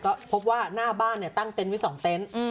ก็พบว่าหน้าบ้านเนี่ยตั้งเต้นไว้๒เต้นอืม